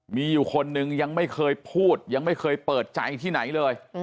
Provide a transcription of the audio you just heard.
มีอยู่คนนึงยังไม่เคยพูดยังไม่เคยเปิดใจที่ไหนเลย